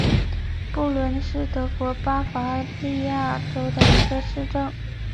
布伦是德国巴伐利亚州的一个市镇。